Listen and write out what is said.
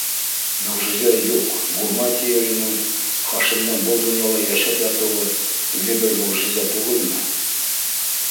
Мөғжизә юҡ, булмай тиер инең - Хашимдың был донъяла йәшәп ятыуы үҙе бер мөғжизә түгелме?